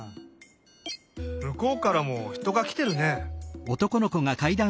むこうからもひとがきてるね。